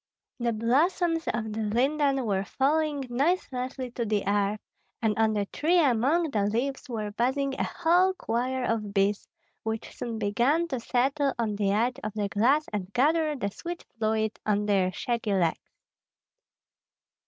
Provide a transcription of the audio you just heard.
The blossoms of the linden were falling noiselessly to the earth, and on the tree among the leaves were buzzing a whole choir of bees, which soon began to settle on the edge of the glass and gather the sweet fluid on their shaggy legs.